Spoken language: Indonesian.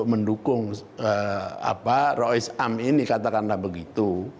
jadi menurut saya tidak bagus di dalam kelompok yang disebut sebagai struktural itu